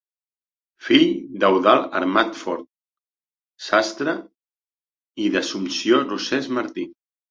Fill d'Eudald Amat Fort, sastre, i d'Assumpció Rosés Martí.